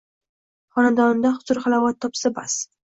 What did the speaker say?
xonadonida huzur-halovat topsa, bas.